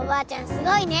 すごいね。